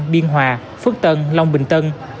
biên hòa phước tân long bình tân